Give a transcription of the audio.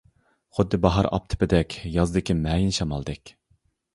خۇددى باھار ئاپتىپىدەك، يازدىكى مەيىن شامالدەك.